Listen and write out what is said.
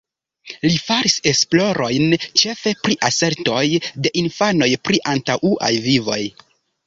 Li faris esplorojn ĉefe pri asertoj de infanoj pri antaŭaj vivoj.